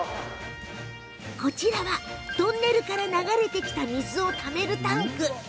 こちらはトンネルから流れてきた水をためるタンク。